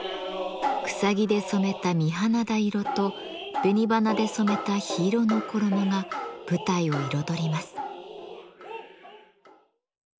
草木で染めた水縹色と紅花で染めた緋色の衣が舞台を彩ります。